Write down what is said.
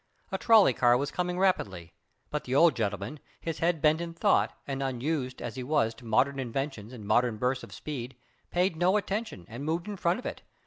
A trolley car was coming rapidly, but the old gentleman, his head bent in thought and unused as he was to modern inventions and modern bursts of speed, paid no attention and moved in front of it.